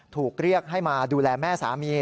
ถูกเรียกให้มาดูแลแม่สามี